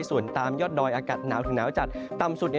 ส่วนตามยอดดอยอากาศหนาวถึงหนาวจัดต่ำสุด